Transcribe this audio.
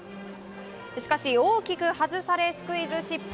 しかし、大きく外されスクイズ失敗。